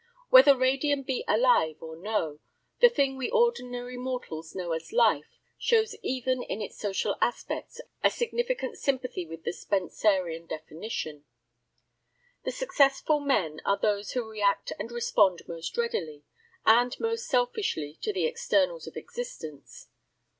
Whether radium be "alive" or no, the thing we ordinary mortals know as "life" shows even in its social aspects a significant sympathy with the Spencerian definition. The successful men are those who react and respond most readily, and most selfishly to the externals of existence.